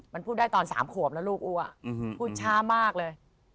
มันพูดได้ตอน๓ขวบแล้วลูกอัวพูดช้ามากเลย